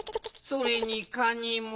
それにカニも！